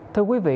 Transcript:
thưa quý vị